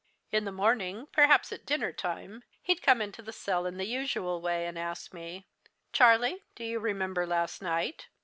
"In the morning, perhaps at dinner time, he'd come into the cell in the usual way, and ask me: "'Charlie, do you remember last night?'